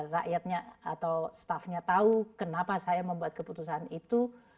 rakyatnya atau staffnya tahu kenapa saya membuat keputusan itu